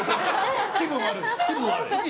気分悪い！